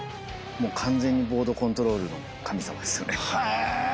もう完全にボードコントロールの神様ですよね。